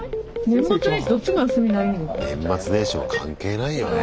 年末年始も関係ないよね